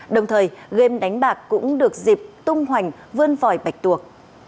đồng thời game đánh bạc cũng được dịp tung hoành vươn vòi bạch tuộc